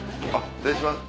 失礼します。